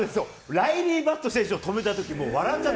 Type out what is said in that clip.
ライリー・バット選手を止めたとき笑っちゃった。